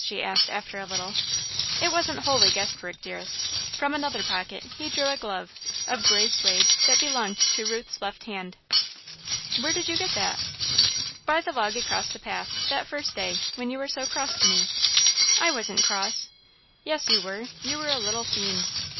she asked, after a little. "It wasn't wholly guess work, dearest." From another pocket, he drew a glove, of grey suede, that belonged to Ruth's left hand. "Where did you get that?" "By the log across the path, that first day, when you were so cross to me." "I wasn't cross!" "Yes you were you were a little fiend."